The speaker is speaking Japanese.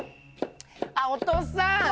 あっお父さん！